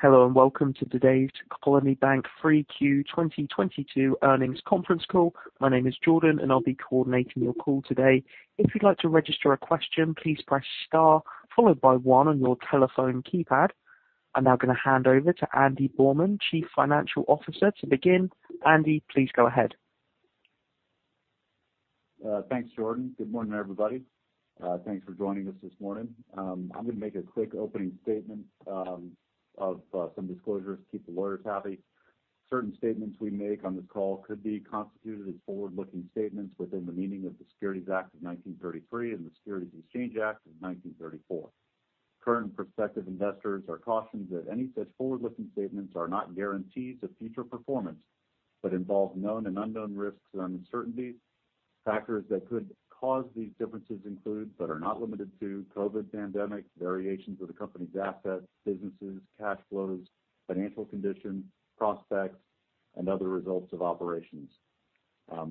Hello, and welcome to today's Colony Bank 3Q 2022 earnings conference call. My name is Jordan, and I'll be coordinating your call today. If you'd like to register a question, please press star followed by one on your telephone keypad. I'm now gonna hand over to Andy Borrmann, Chief Financial Officer, to begin. Andy, please go ahead. Thanks, Jordan. Good morning, everybody. Thanks for joining us this morning. I'm gonna make a quick opening statement, of some disclosures to keep the lawyers happy. Certain statements we make on this call could be constituted as forward-looking statements within the meaning of the Securities Act of 1933 and the Securities Exchange Act of 1934. Current and prospective investors are cautioned that any such forward-looking statements are not guarantees of future performance, but involve known and unknown risks and uncertainties. Factors that could cause these differences include, but are not limited to, COVID pandemic, variations of the company's assets, businesses, cash flows, financial condition, prospects, and other results of operations.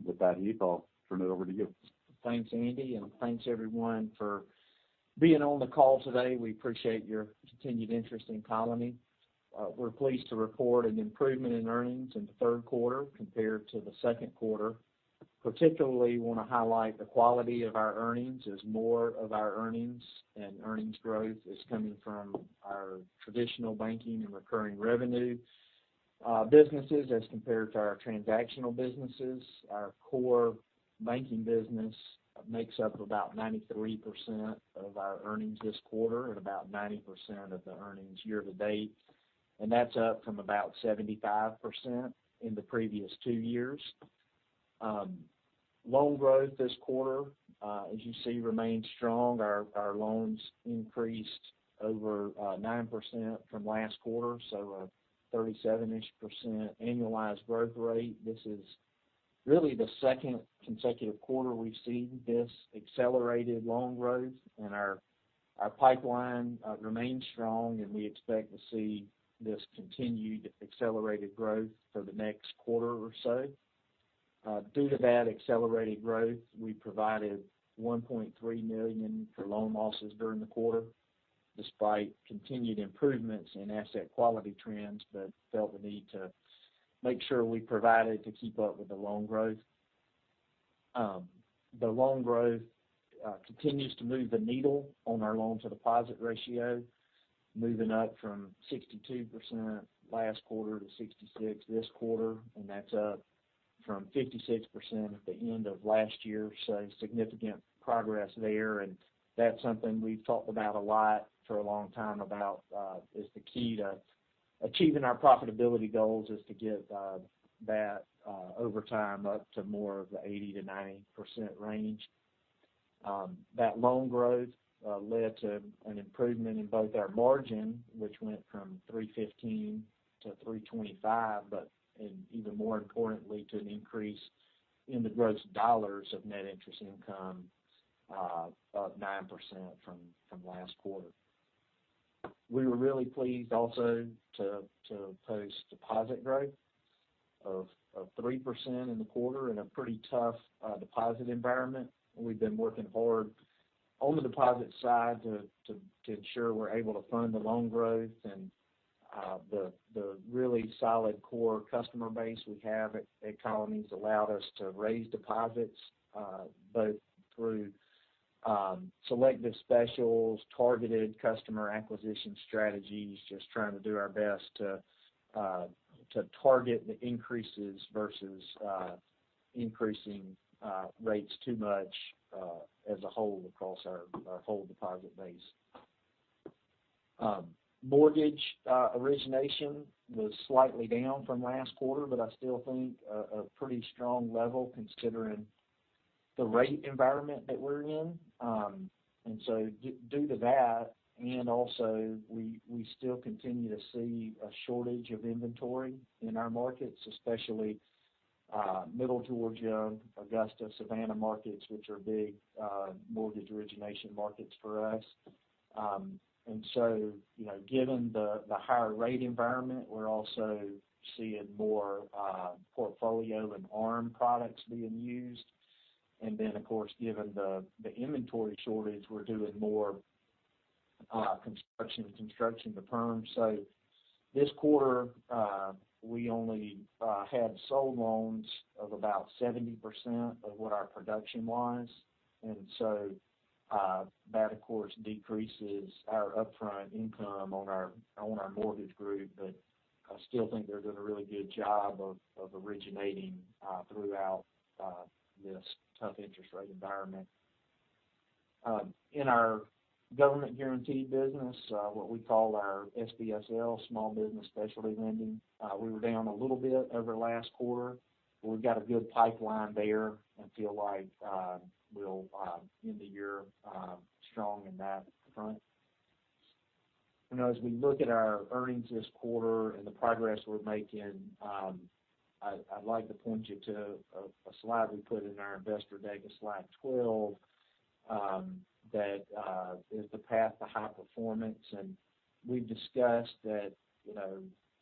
With that, Heath, I'll turn it over to you. Thanks, Andy, and thanks everyone for being on the call today. We appreciate your continued interest in Colony. We're pleased to report an improvement in earnings in the third quarter compared to the second quarter. Particularly wanna highlight the quality of our earnings as more of our earnings and earnings growth is coming from our traditional banking and recurring revenue businesses as compared to our transactional businesses. Our core banking business makes up about 93% of our earnings this quarter, and about 90% of the earnings year to date, and that's up from about 75% in the previous two years. Loan growth this quarter, as you see, remained strong. Our loans increased over 9% from last quarter, so a 37% annualized growth rate. This is really the second consecutive quarter we've seen this accelerated loan growth, and our pipeline remains strong, and we expect to see this continued accelerated growth for the next quarter or so. Due to that accelerated growth, we provided $1.3 million for loan losses during the quarter, despite continued improvements in asset quality trends, but felt the need to make sure we provided to keep up with the loan growth. The loan growth continues to move the needle on our loan-to-deposit ratio, moving up from 62% last quarter to 66% this quarter, and that's up from 56% at the end of last year. Significant progress there, and that's something we've talked about a lot for a long time, is the key to achieving our profitability goals is to get that over time up to more of the 80%-90% range. That loan growth led to an improvement in both our margin, which went from 3.15 to 3.25, and even more importantly, to an increase in the gross dollars of net interest income, up 9% from last quarter. We were really pleased also to post deposit growth of 3% in the quarter in a pretty tough deposit environment. We've been working hard on the deposit side to ensure we're able to fund the loan growth and the really solid core customer base we have at Colony has allowed us to raise deposits both through selective specials, targeted customer acquisition strategies, just trying to do our best to target the increases versus increasing rates too much as a whole across our whole deposit base. Mortgage origination was slightly down from last quarter, but I still think a pretty strong level considering the rate environment that we're in. Due to that, and also we still continue to see a shortage of inventory in our markets, especially Middle Georgia, Augusta, Savannah markets, which are big mortgage origination markets for us. You know, given the higher rate environment, we're also seeing more portfolio and ARM products being used. Of course, given the inventory shortage, we're doing more construction to perm. This quarter, we only had sold loans of about 70% of what our production was. That, of course, decreases our upfront income on our mortgage group, but I still think they're doing a really good job of originating throughout this tough interest rate environment. In our government guaranteed business, what we call our SBSL, Small Business Specialty Lending, we were down a little bit over last quarter. We've got a good pipeline there and feel like we'll end the year strong in that front. You know, as we look at our earnings this quarter and the progress we're making, I'd like to point you to a slide we put in our investor deck, it's slide 12, that is the path to high performance. We've discussed that, you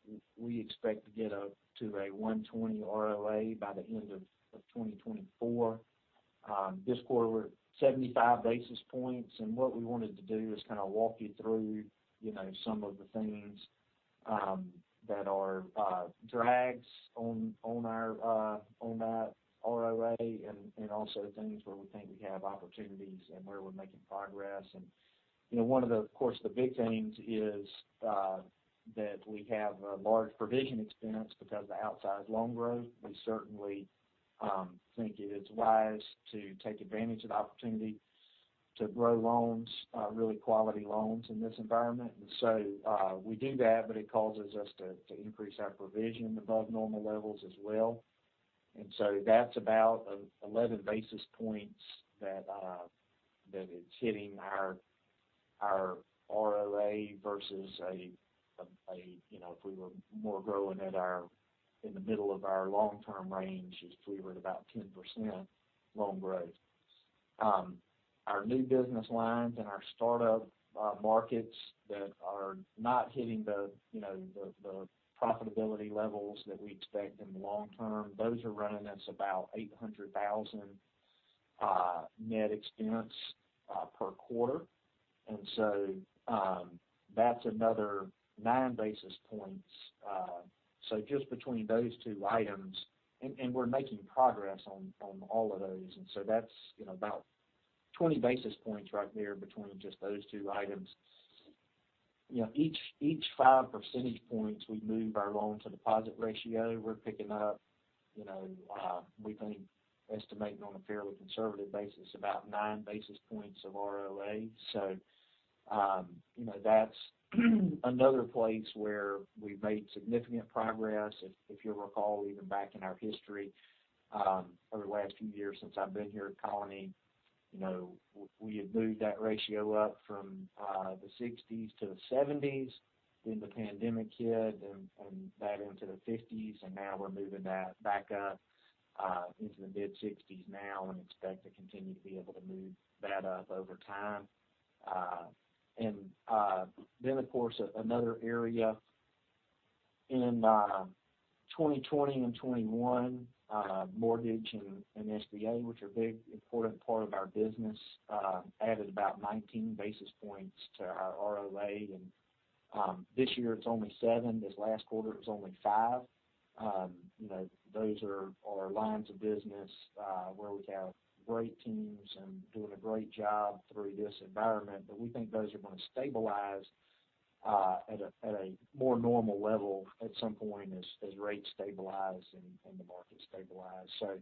know, we expect to get to a 1.20% ROAA by the end of 2024. This quarter we're at 75 basis points, and what we wanted to do is kind of walk you through, you know, some of the things that are drags on our ROAA and also things where we think we have opportunities and where we're making progress. You know, one of the, of course, the big things is that we have a large provision expense because of the outsized loan growth. We certainly think it is wise to take advantage of the opportunity to grow loans, really quality loans in this environment. We do that, but it causes us to increase our provision above normal levels as well. That's about 11 basis points that it's hitting our ROAA versus a, you know, if we were more growing at our, in the middle of our long-term range, if we were at about 10% loan growth. Our new business lines and our startup markets that are not hitting, you know, the profitability levels that we expect in the long term, those are running us about $800,000 net expense per quarter. That's another nine basis points. Just between those two items, and we're making progress on all of those, and that's, you know, about 20 basis points right there between just those two items. You know, each five percentage points we move our loan to deposit ratio, we're picking up, you know, we think estimating on a fairly conservative basis about nine basis points of ROAA. You know, that's another place where we've made significant progress. If you'll recall, even back in our history, over the last few years since I've been here at Colony, you know, we had moved that ratio up from the 60s to the 70s, then the pandemic hit, and back into the 50s, and now we're moving that back up into the mid-60s now and expect to continue to be able to move that up over time. Another area in 2020 and 2021, mortgage and SBA, which are a big, important part of our business, added about 19 basis points to our ROAA. This year it's only seven basis points, this last quarter it was only five basis points. You know, those are lines of business where we have great teams and doing a great job through this environment. We think those are gonna stabilize at a more normal level at some point as rates stabilize and the market stabilizes.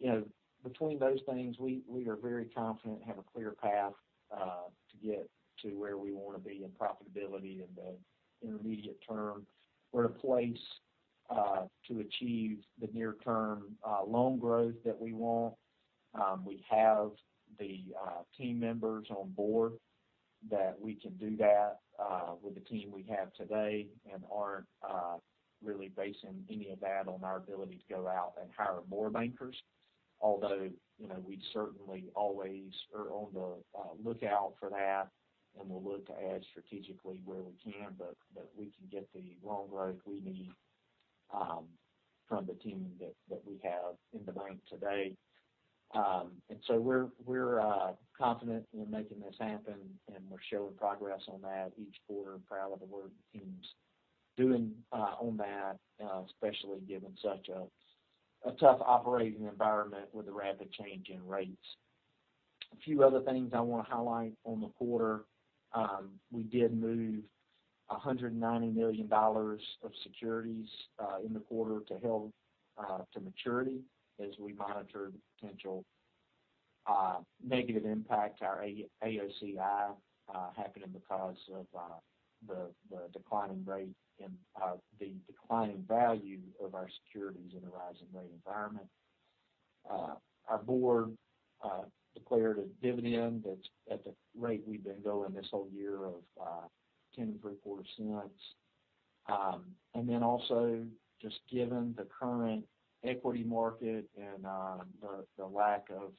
You know, between those things, we are very confident, have a clear path to get to where we wanna be in profitability in the intermediate term. We're in a place to achieve the near term loan growth that we want. We have the team members on board that we can do that with the team we have today and aren't really basing any of that on our ability to go out and hire more bankers. Although, you know, we'd certainly always are on the lookout for that, and we'll look to add strategically where we can, but we can get the loan growth we need from the team that we have in the bank today. We're confident in making this happen, and we're showing progress on that each quarter. I'm proud of the work the team's doing on that, especially given such a tough operating environment with the rapid change in rates. A few other things I wanna highlight on the quarter. We did move $190 million of securities in the quarter to held to maturity as we monitored the potential negative impact our AOCI happening because of the declining value of our securities in a rising rate environment. Our board declared a dividend that's at the rate we've been going this whole year of $0.1075. Just given the current equity market and the lack of,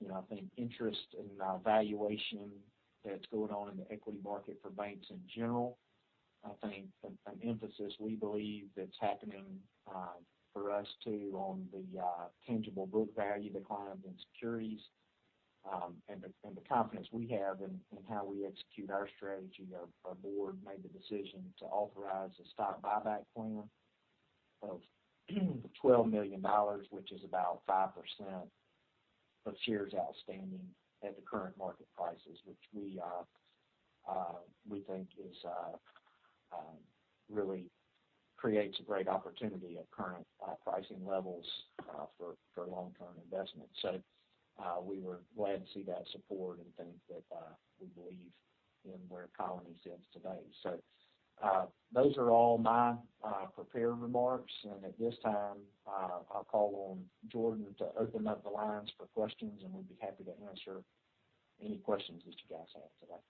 you know, I think interest in valuation that's going on in the equity market for banks in general, I think an emphasis we believe that's happening for us too on the tangible book value decline of the securities and the confidence we have in how we execute our strategy, our board made the decision to authorize a stock buyback plan of $12 million, which is about 5% of shares outstanding at the current market prices, which we think really creates a great opportunity at current pricing levels for long-term investment. We were glad to see that support and think that we believe in where Colony stands today. Those are all my prepared remarks. At this time, I'll call on Jordan to open up the lines for questions, and we'd be happy to answer any questions that you guys have today.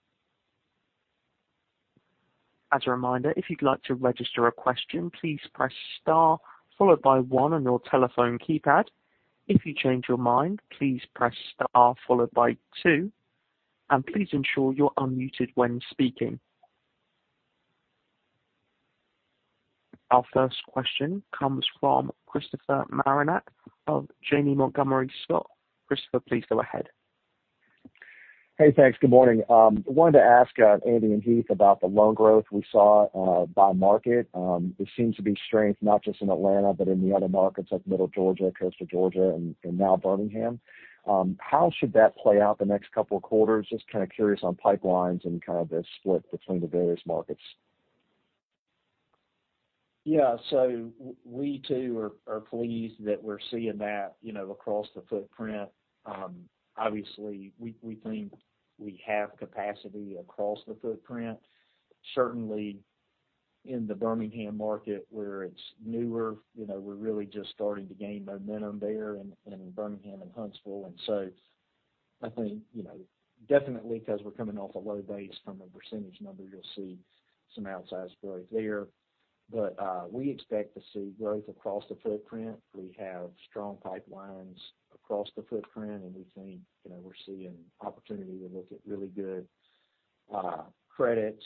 As a reminder, if you'd like to register a question, please press star followed by one on your telephone keypad. If you change your mind, please press star followed by two, and please ensure you're unmuted when speaking. Our first question comes from Christopher Marinac of Janney Montgomery Scott. Christopher, please go ahead. Hey, thanks. Good morning. Wanted to ask Andy and Heath about the loan growth we saw by market. There seems to be strength not just in Atlanta but in the other markets like Middle Georgia, Coastal Georgia and now Birmingham. How should that play out the next couple of quarters? Just kind of curious on pipelines and kind of the split between the various markets. Yeah. We too are pleased that we're seeing that, you know, across the footprint. Obviously, we think we have capacity across the footprint, certainly in the Birmingham market where it's newer, you know, we're really just starting to gain momentum there in Birmingham and Huntsville. I think, you know, definitely because we're coming off a low base from a percentage number, you'll see some outsized growth there. We expect to see growth across the footprint. We have strong pipelines across the footprint, and we think, you know, we're seeing opportunity to look at really good credits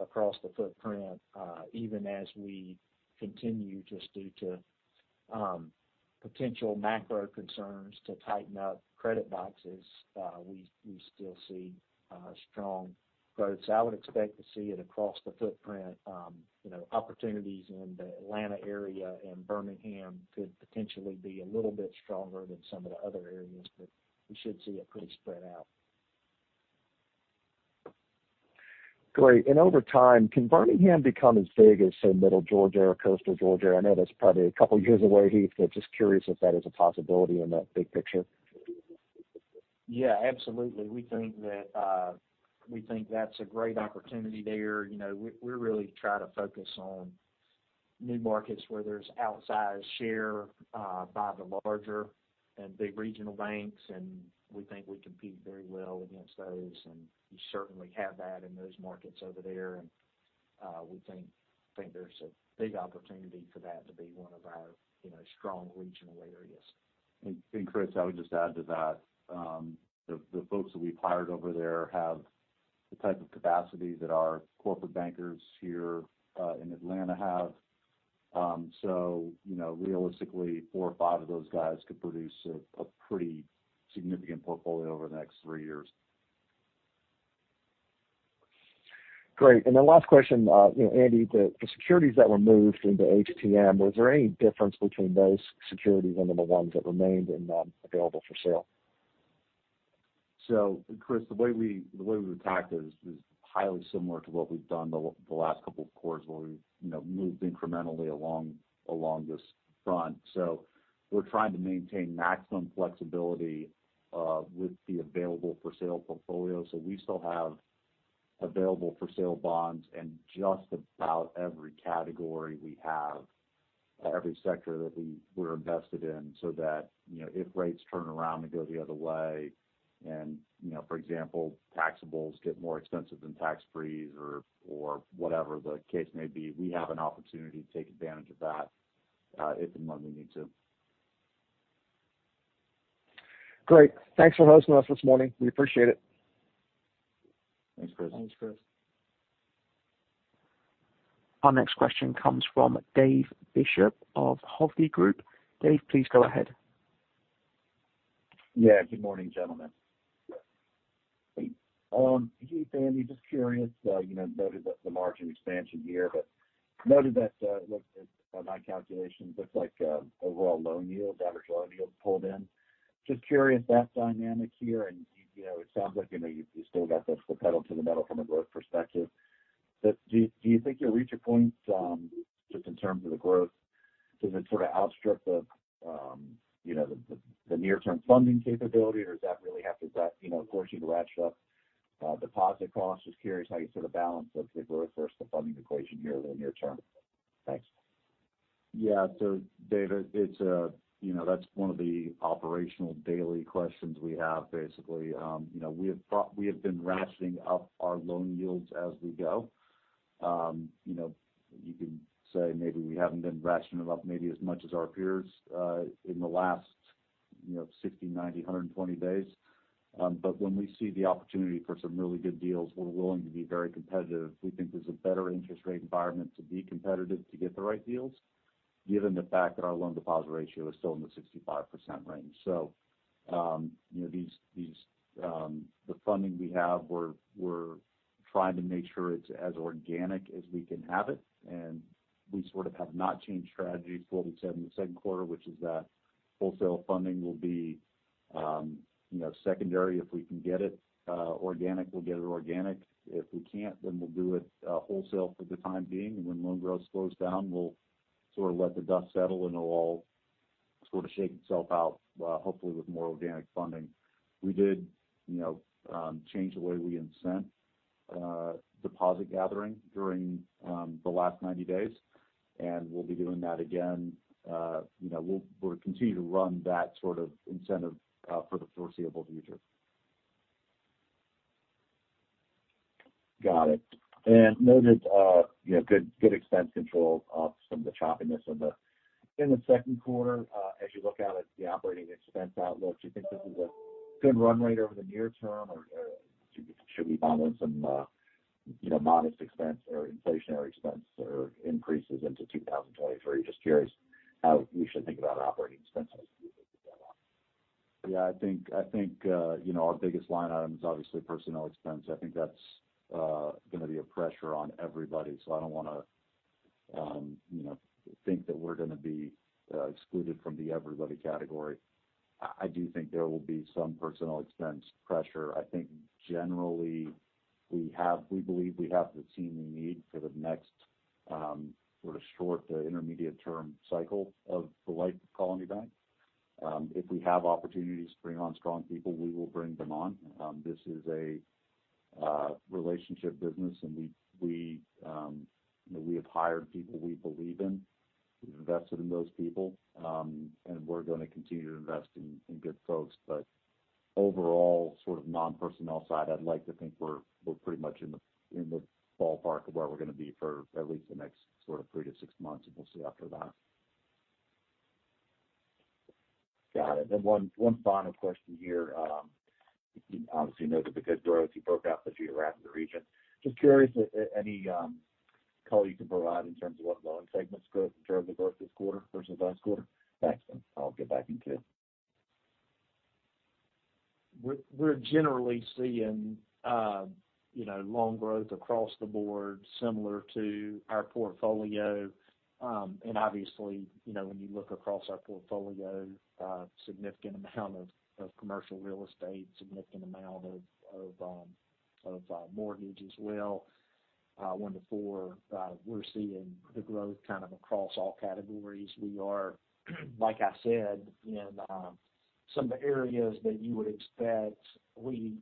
across the footprint, even as we continue just due to potential macro concerns to tighten up credit boxes, we still see strong growth. I would expect to see it across the footprint. You know, opportunities in the Atlanta area and Birmingham could potentially be a little bit stronger than some of the other areas, but we should see it pretty spread out. Great. Over time, can Birmingham become as big as, say, Middle Georgia or Coastal Georgia? I know that's probably a couple of years away, Heath, but just curious if that is a possibility in the big picture. Yeah, absolutely. We think that's a great opportunity there. You know, we really try to focus on new markets where there's outsized share by the larger and big regional banks, and we think we compete very well against those. We think there's a big opportunity for that to be one of our, you know, strong regional areas. Christopher, I would just add to that, the folks that we've hired over there have the type of capacity that our corporate bankers here in Atlanta have. So, you know, realistically, four or five of those guys could produce a pretty significant portfolio over the next three years. Great. Last question. You know, Andy, the securities that were moved into HTM, was there any difference between those securities and then the ones that remained and available for sale? Christopher, the way we attacked it is highly similar to what we've done the last couple of quarters where we, you know, moved incrementally along this front. We're trying to maintain maximum flexibility with the available for sale portfolio. We still have available for sale bonds in just about every category we have, every sector that we're invested in, so that, you know, if rates turn around and go the other way and, you know, for example, taxables get more expensive than tax-frees or whatever the case may be, we have an opportunity to take advantage of that, if and when we need to. Great. Thanks for hosting us this morning. We appreciate it. Thanks, Chris. Thanks, Chris. Our next question comes from David Bishop of Hovde Group. Dave, please go ahead. Yeah. Good morning, gentlemen. Heath and Andy, just curious, you know, noted that the margin expansion here, but noted that, look, it by my calculations looks like overall loan yields, average loan yields pulled in. Just curious, that dynamic here, and you know it sounds like you know you've still got the foot pedal to the metal from a growth perspective. Do you think you'll reach a point just in terms of the growth, does it sort of outstrip the you know the near-term funding capability, or does that really have to you know force you to ratchet up deposit costs? Just curious how you sort of balance the growth versus the funding equation here in the near term. Thanks. Yeah. David, it's, you know, that's one of the operational daily questions we have, basically. We have been ratcheting up our loan yields as we go. You can say maybe we haven't been ratcheting them up maybe as much as our peers in the last 60, 90, 120 days. When we see the opportunity for some really good deals, we're willing to be very competitive. We think there's a better interest rate environment to be competitive to get the right deals, given the fact that our loan deposit ratio is still in the 65% range. You know, the funding we have, we're trying to make sure it's as organic as we can have it, and we sort of have not changed strategy for what we said in the second quarter, which is that wholesale funding will be, you know, secondary if we can get it. We'll get it organic. If we can't, then we'll do it wholesale for the time being. When loan growth slows down, we'll sort of let the dust settle and it'll all sort of shake itself out, hopefully with more organic funding. We did, you know, change the way we incent deposit gathering during the last 90 days, and we'll be doing that again. You know, we'll continue to run that sort of incentive for the foreseeable future. Got it. Noted, you know, good expense control of some of the choppiness in the second quarter. As you look out at the operating expense outlook, do you think this is a good run rate over the near term or should we build in some you know modest expense or inflationary expense or increases into 2023? Just curious how we should think about operating expenses going on. Yeah, I think you know, our biggest line item is obviously personnel expense. I think that's gonna be a pressure on everybody, so I don't wanna you know, think that we're gonna be excluded from the everybody category. I do think there will be some personnel expense pressure. I think generally we believe we have the team we need for the next sort of short to intermediate term cycle of the life of Colony Bank. If we have opportunities to bring on strong people, we will bring them on. This is a relationship business, and we you know, have hired people we believe in. We've invested in those people. We're gonna continue to invest in good folks. Overall, sort of non-personnel side, I'd like to think we're pretty much in the ballpark of where we're gonna be for at least the next sort of three-six months, and we'll see after that. Got it. One final question here. You obviously know the good growth. You broke out the geographic region. Just curious if any color you can provide in terms of what loan segments growth drove the growth this quarter versus last quarter? Thanks, and I'll get back in queue. We're generally seeing, you know, loan growth across the board similar to our portfolio. Obviously, you know, when you look across our portfolio, significant amount of commercial real estate, significant amount of mortgage as well, one to four. We're seeing the growth kind of across all categories. Like I said, in some of the areas that you would expect, we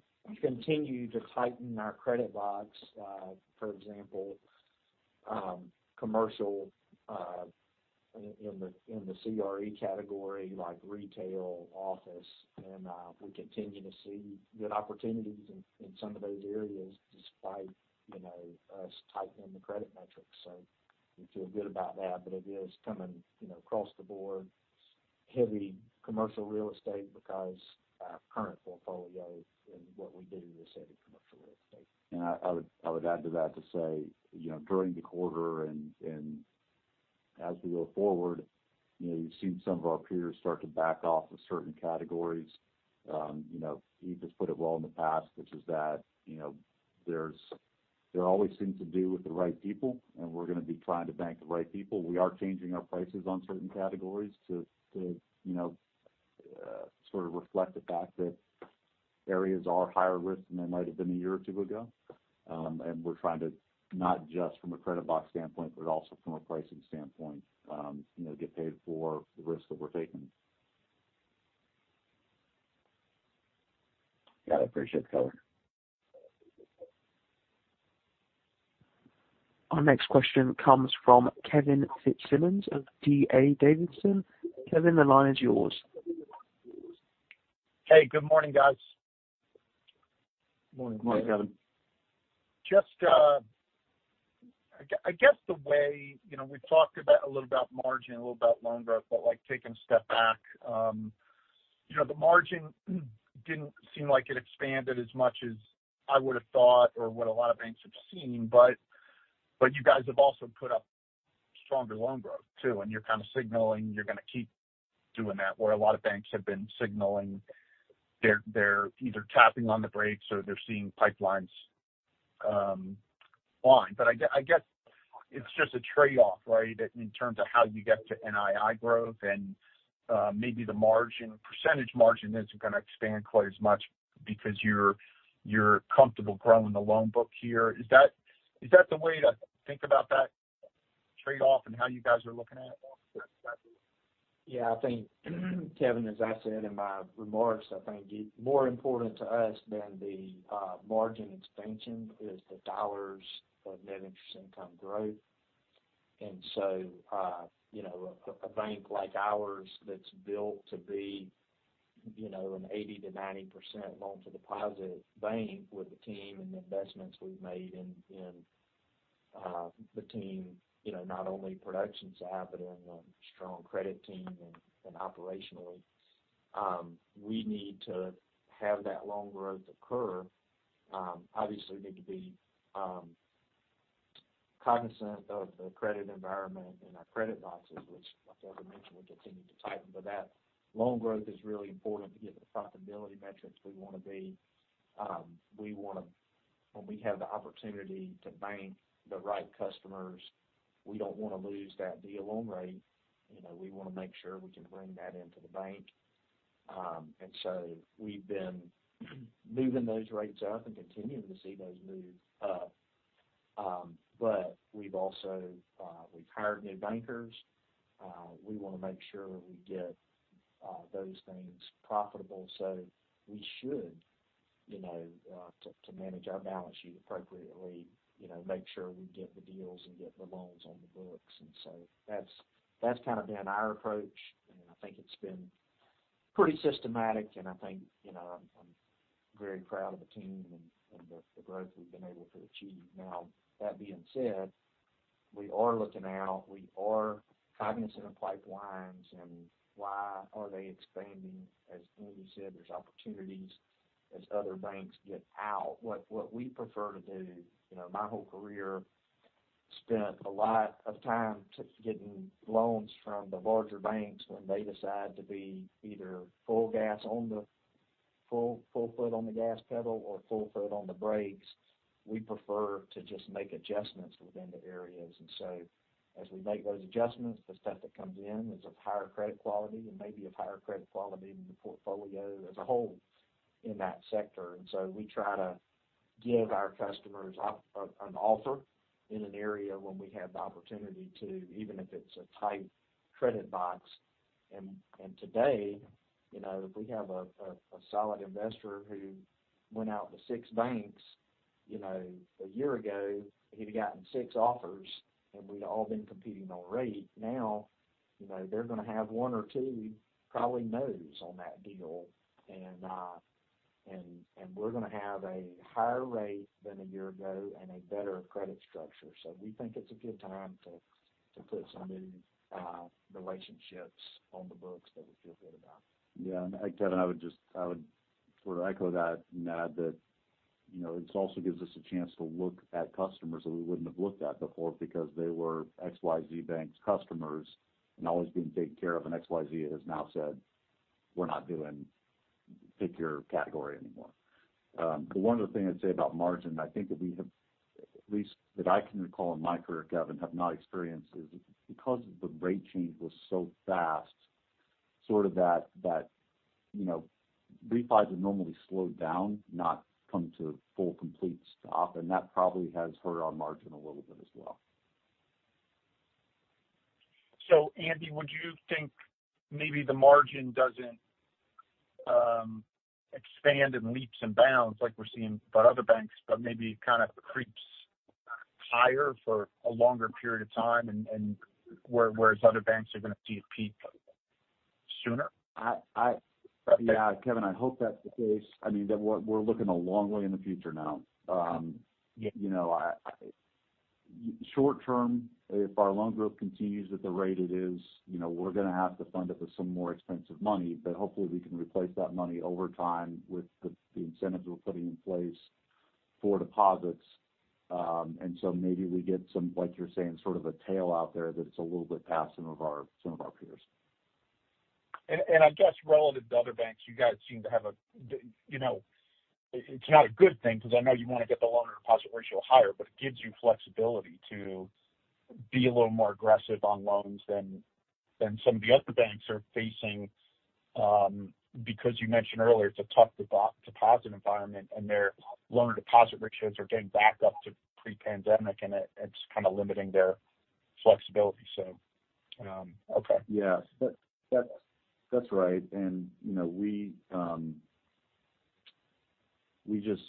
continue to tighten our credit box, for example, commercial in the CRE category like retail, office, and we continue to see good opportunities in some of those areas despite, you know, us tightening the credit metrics. We feel good about that, but it is coming, you know, across the board, heavy commercial real estate because our current portfolio and what we do is heavy commercial real estate. I would add to that to say, you know, during the quarter and as we go forward, you know, you've seen some of our peers start to back off of certain categories. You know, Heath has put it well in the past, which is that, you know, there's it always seems to do with the right people, and we're gonna be trying to bank the right people. We are changing our prices on certain categories to you know sort of reflect the fact that areas are higher risk than they might have been a year or two ago. We're trying to, not just from a credit box standpoint, but also from a pricing standpoint, you know, get paid for the risks that we're taking. Got it. Appreciate the color. Our next question comes from Kevin Fitzsimmons of D.A. Davidson. Kevin, the line is yours. Hey, good morning, guys. Morning. Morning, Kevin. Just, I guess the way, you know, we've talked about a little about margin, a little about loan growth, but like taking a step back, you know, the margin didn't seem like it expanded as much as I would have thought or what a lot of banks have seen, but you guys have also put up stronger loan growth, too, and you're kind of signaling you're gonna keep doing that, where a lot of banks have been signaling they're either tapping on the brakes or they're seeing pipelines fine. I guess it's just a trade-off, right, in terms of how you get to NII growth and maybe the margin, percentage margin isn't gonna expand quite as much because you're comfortable growing the loan book here. Is that the way to think about that trade-off and how you guys are looking at it? Yeah, I think, Kevin, as I said in my remarks, I think more important to us than the margin expansion is the dollars of net interest income growth. You know, a bank like ours that's built to be, you know, an 80%-90% loan to deposit bank with the team and the investments we've made in the team, you know, not only production side, but in a strong credit team and operationally, we need to have that loan growth occur. Obviously need to be cognizant of the credit environment and our credit boxes, which like Heath mentioned, we're continuing to tighten. That loan growth is really important to get the profitability metrics we want to be. We want to when we have the opportunity to bank the right customers, we don't want to lose that deal loan rate. You know, we wanna make sure we can bring that into the bank. We've been moving those rates up and continuing to see those move up. We've also hired new bankers. We wanna make sure we get those things profitable to manage our balance sheet appropriately, you know, make sure we get the deals and get the loans on the books. That's kind of been our approach, and I think it's been pretty systematic, and I think, you know, I'm very proud of the team and the growth we've been able to achieve. Now that being said, we are looking out. We are cognizant of pipelines and why are they expanding. As Andy said, there's opportunities as other banks get out. What we prefer to do, you know, my whole career spent a lot of time to getting loans from the larger banks when they decide to be either full foot on the gas pedal or full foot on the brakes. We prefer to just make adjustments within the areas. As we make those adjustments, the stuff that comes in is of higher credit quality and maybe of higher credit quality than the portfolio as a whole in that sector. We try to give our customers an offer in an area when we have the opportunity to, even if it's a tight credit box. Today, you know, if we have a solid investor who went out to six banks, you know, a year ago, he'd have gotten six offers, and we'd all been competing on rate. Now, you know, they're gonna have one or two probably no, on that deal. We're gonna have a higher rate than a year ago and a better credit structure. We think it's a good time to put some new relationships on the books that we feel good about. Yeah. Kevin, I would sort of echo that, you know, this also gives us a chance to look at customers that we wouldn't have looked at before because they were XYZ bank's customers and always being taken care of. XYZ has now said, "We're not doing pick your category anymore." But one of the things I'd say about margin, I think that we have, at least that I can recall in my career, Kevin, have not experienced, is because the rate change was so fast, sort of that, you know, they have normally slowed down, not come to a full, complete stop, and that probably has hurt our margin a little bit as well. Andy, would you think maybe the margin doesn't expand in leaps and bounds like we're seeing by other banks, but maybe kind of creeps higher for a longer period of time and whereas other banks are going to see it peak sooner? Yeah, Kevin, I hope that's the case. I mean, that we're looking a long way in the future now. You know, short term, if our loan growth continues at the rate it is, you know, we're gonna have to fund it with some more expensive money, but hopefully, we can replace that money over time with the incentives we're putting in place for deposits. Maybe we get some, like you're saying, sort of a tail out there that's a little bit past some of our peers. I guess relative to other banks, you guys seem to have a, you know, it's not a good thing because I know you want to get the loan deposit ratio higher, but it gives you flexibility to be a little more aggressive on loans than some of the other banks are facing, because you mentioned earlier, it's a tough deposit environment, and their loan deposit ratios are getting back up to pre-pandemic, and it's kind of limiting their flexibility. Okay. Yes. That's right. You know, we just,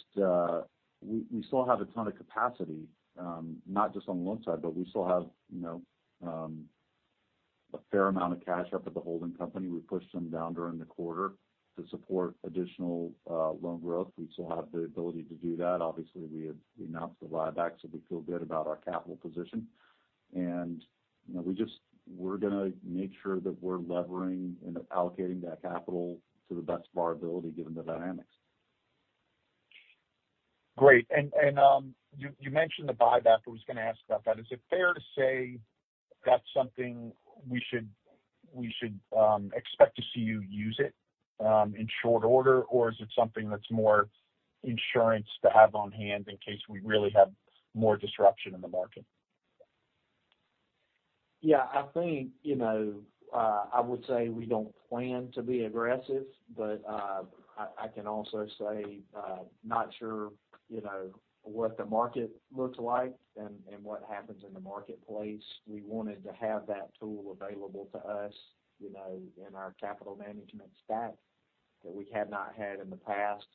we still have a ton of capacity, not just on the loan side, but we still have, you know, a fair amount of cash up at the holding company. We pushed some down during the quarter to support additional loan growth. We still have the ability to do that. Obviously, we had announced the buyback, so we feel good about our capital position. You know, we're gonna make sure that we're levering and allocating that capital to the best of our ability given the dynamics. Great. You mentioned the buyback. I was going to ask about that. Is it fair to say that's something we should expect to see you use it in short order, or is it something that's more insurance to have on hand in case we really have more disruption in the market? Yeah, I think, you know, I would say we don't plan to be aggressive, but I can also say not sure, you know, what the market looks like and what happens in the marketplace. We wanted to have that tool available to us, you know, in our capital management stack that we have not had in the past.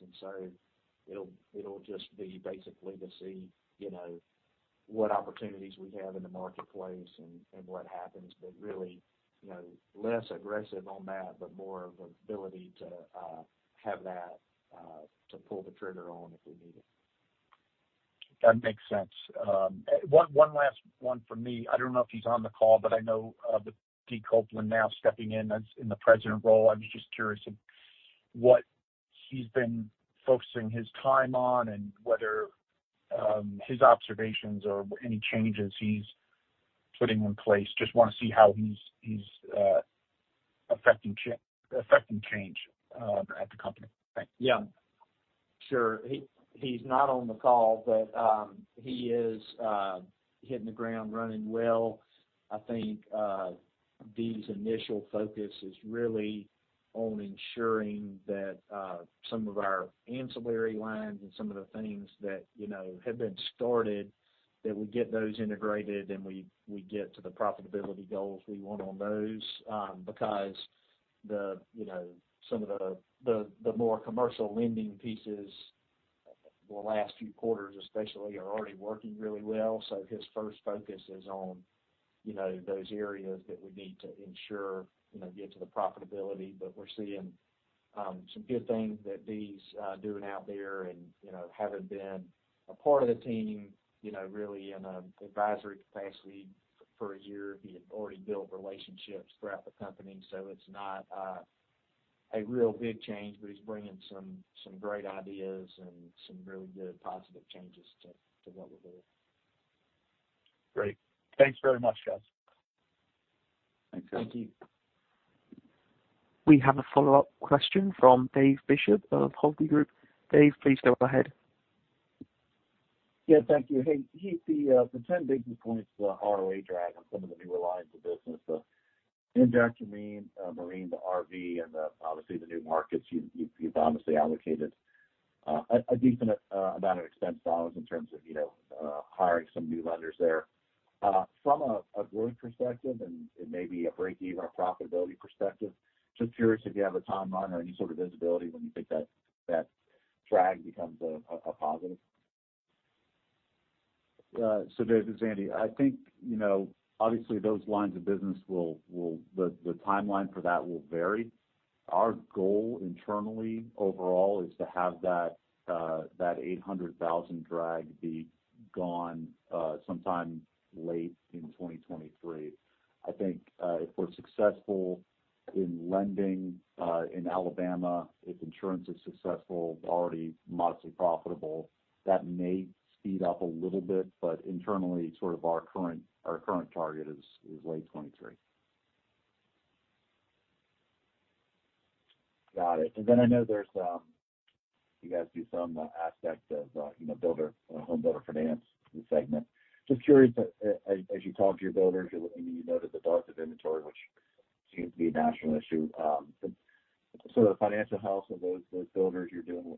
It'll just be basically to see, you know, what opportunities we have in the marketplace and what happens. Really, you know, less aggressive on that, but more of an ability to have that to pull the trigger on if we need it. That makes sense. One last one for me. I don't know if he's on the call, but I know that Dee Copeland now stepping in as President. I was just curious of what he's been focusing his time on and whether his observations or any changes he's putting in place. Just wanna see how he's affecting change at the company. Thanks. Yeah, sure. He's not on the call, but he is hitting the ground running well. I think Dee's initial focus is really on ensuring that some of our ancillary lines and some of the things that, you know, have been started, that we get those integrated and we get to the profitability goals we want on those. Because, you know, some of the more commercial lending pieces the last few quarters especially are already working really well. His first focus is on, you know, those areas that we need to ensure, you know, get to the profitability. We're seeing some good things that Dee's doing out there and, you know, having been a part of the team, you know, really in an advisory capacity for a year, he had already built relationships throughout the company. It's not a real big change, but he's bringing some great ideas and some really good positive changes to what we're doing. Great. Thanks very much, guys. Thanks, Andy. We have a follow-up question from David Bishop of Hovde Group. Dave, please go ahead. Yeah, thank you. Hey, Heath, the 10 basis points, the ROAA drag on some of the newer lines of business, the Marine/RV, and the new markets, you've obviously allocated a decent amount of expense dollars in terms of, you know, hiring some new lenders there. From a growth perspective and it may be a breakeven or profitability perspective, just curious if you have a timeline or any sort of visibility when you think that drag becomes a positive? Dave, this is Andy. I think, you know, obviously those lines of business will. The timeline for that will vary. Our goal internally overall is to have that $800,000 drag be gone sometime late in 2023. I think, if we're successful in lending in Alabama, if insurance is successful, already modestly profitable, that may speed up a little bit, but internally, sort of our current target is late 2023. Got it. I know there's you guys do some aspect of you know builder home builder finance segment. Just curious, as you talk to your builders, I mean, you noted the thoughts of inventory, which seems to be a national issue. The financial health of those builders you're doing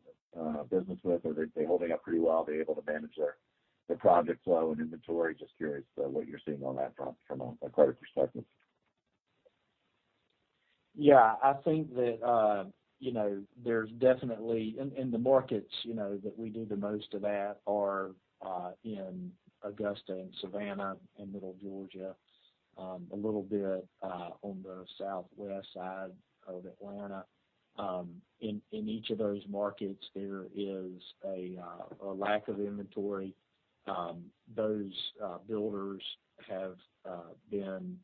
business with, are they holding up pretty well, being able to manage their project flow and inventory? Just curious, what you're seeing on that front from a credit perspective. Yeah. I think that, you know, there's definitely in the markets, you know, that we do the most of that are in Augusta and Savannah and Middle Georgia, a little bit on the southwest side of Atlanta. In each of those markets, there is a lack of inventory. Those builders have been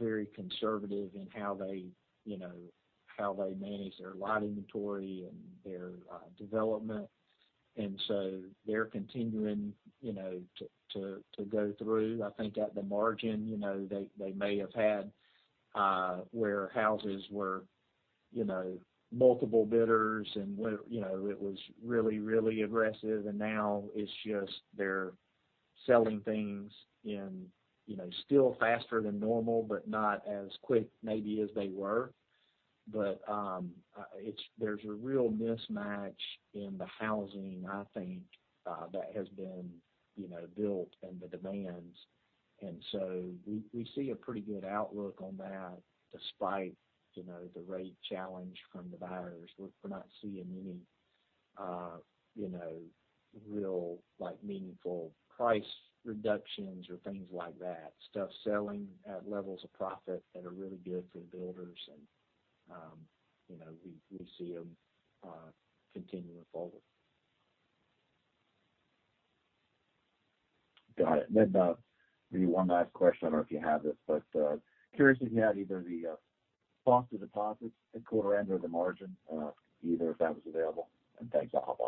very conservative in how they, you know, how they manage their lot inventory and their development. So they're continuing, you know, to go through. I think at the margin, you know, they may have had where houses were, you know, multiple bidders and where, you know, it was really aggressive. Now it's just they're selling things, you know, still faster than normal, but not as quick maybe as they were. There's a real mismatch in the housing, I think, that has been, you know, built and the demands. We see a pretty good outlook on that despite, you know, the rate challenge from the buyers. We're not seeing any, you know, real, like, meaningful price reductions or things like that. Stuff selling at levels of profit that are really good for the builders and, you know, we see them continuing forward. Got it. Maybe one last question. I don't know if you have this, but curious if you had either the cost of deposits at quarter end or the margin if that was available. Thanks. I'll hop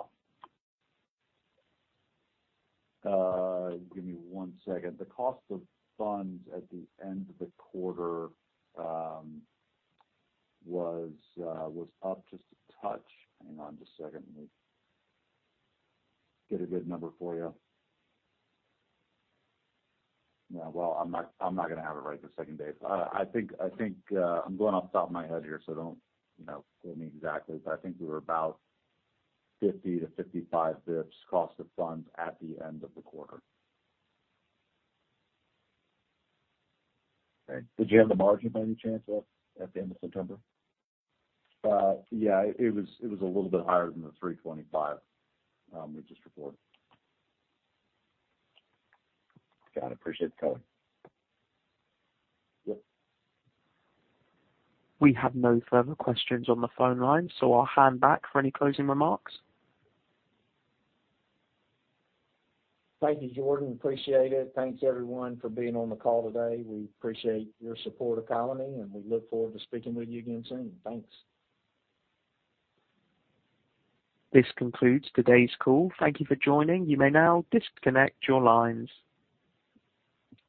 off. Give me one second. The cost of funds at the end of the quarter was up just a touch. Hang on just a second. Let me get a good number for you. Yeah, well, I'm not gonna have it right this second, David. I think I'm going off the top of my head here, so don't, you know, quote me exactly. I think we were about 50-55 basis points cost of funds at the end of the quarter. Okay. Did you have the margin by any chance at the end of September? Yeah, it was a little bit higher than the 3.25% we just reported. Got it. Appreciate the color. Yep. We have no further questions on the phone line, so I'll hand back for any closing remarks. Thank you, Jordan. Appreciate it. Thanks everyone for being on the call today. We appreciate your support of Colony, and we look forward to speaking with you again soon. Thanks. This concludes today's call. Thank you for joining. You may now disconnect your lines.